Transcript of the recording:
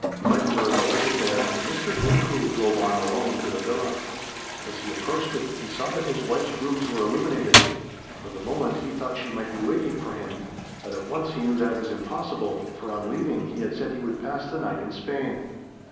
Blydenburg alighted there and Mr. Incoul drove on alone to the villa. As he approached it he saw that his wife's rooms were illuminated. For the moment he thought she might be waiting for him, but at once he knew that was impossible, for on leaving he had said he would pass the night in Spain.